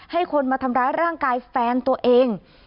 ให้คนมาทำร้ายร่างกายแฟนตัวเอง